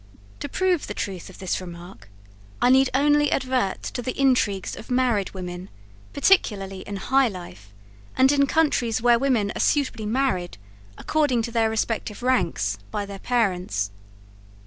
To prove the truth of this remark, I need only advert to the intrigues of married women, particularly in high life, and in countries where women are suitably married, according to their respective ranks by their parents.